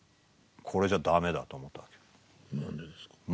これじゃ駄目だと思ったんですよ。